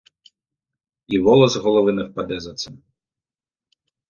І волос з голови не впаде за це.